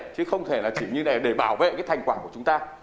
chứ không thể là chỉ như này để bảo vệ cái thành quả của chúng ta